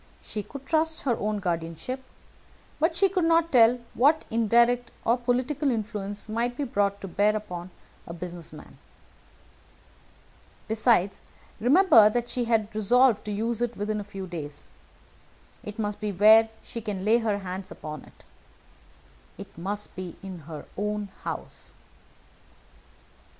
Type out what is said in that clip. She could trust her own guardianship, but she could not tell what indirect or political influence might be brought to bear upon a business man. Besides, remember that she had resolved to use it within a few days. It must be where she can lay her hands upon it. It must be in her own house."